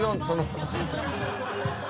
その。